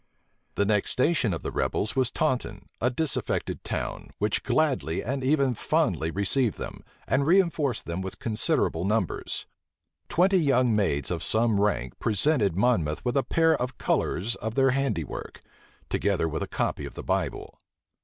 The next station of the rebels was Taunton, a disaffected town, which gladly and even fondly received them, and reënforced them with considerable numbers. Twenty young maids of some rank presented Monmouth with a pair of colors of their handiwork, together with a copy of the Bible.